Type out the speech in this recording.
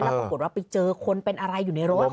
ปรากฏว่าไปเจอคนเป็นอะไรอยู่ในรถ